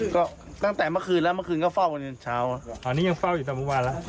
ก็ตั้งแต่เมื่อคืนแล้วเมื่อคืนก็เฝ้ากันจนเช้าตอนนี้ยังเฝ้าอยู่แต่เมื่อวานแล้ว